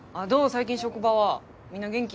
最近職場はみんな元気？